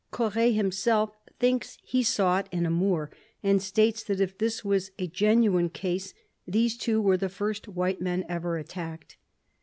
Corre himself thinks he saw it in a Moor, and states that if this was a genuine case, these two were the first white men ever attacked.